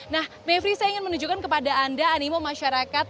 nah mevri saya ingin menunjukkan kepada anda animo masyarakat